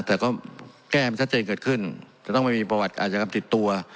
แต่ก็แก้ให้มันชัดเจนเกิดขึ้นจะต้องไม่มีประวัติอาชกรรมติดตัว